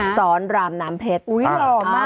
สอนรามน้ำเพชร